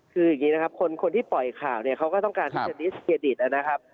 คืออย่างนี้นะครับคนที่ปล่อยข่าวเนี่ยเขาก็ต้องการที่จะดิสเครดิตนะครับ